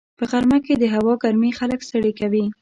په غرمه کې د هوا ګرمي خلک ستړي کوي